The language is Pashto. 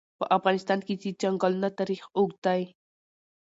په افغانستان کې د چنګلونه تاریخ اوږد دی.